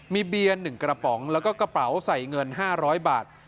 มีเบียร์๑กระป๋องแล้วก็กระเป๋าใส่เงิน๕๐๐บาท